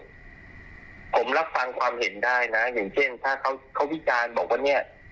ผมรับฟังความเห็นได้นะอย่างเช่นถ้าเขาวิจารณ์บอกว่าเนี่ย